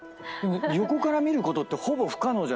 横から見ることってほぼ不可能じゃないですか